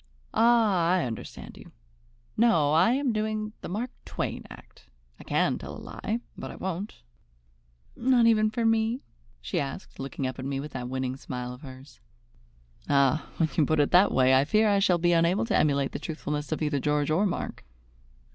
"Ah, I understand you. No, I am doing the Mark Twain act. I can tell a lie, but I won't." "Not even for me?" she asked, looking up at me with that winning smile of hers. "Ah, when you put it that way I fear I shall be unable to emulate the truthfulness of either George or Mark."